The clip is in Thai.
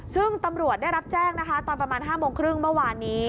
ซึ่งตำรวจได้รับแจ้งนะคะตอนประมาณ๕โมงครึ่งเมื่อวานนี้